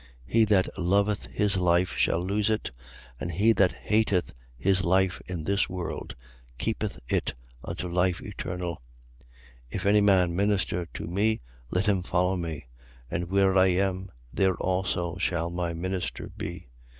He that loveth his life shall lose it and he that hateth his life in this world keepeth it unto life eternal. 12:26. If any man minister to me, let him follow me: and where I am, there also shall my minister be.